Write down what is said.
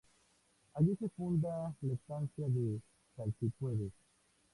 Allí se funda la Estancia de Salsipuedes.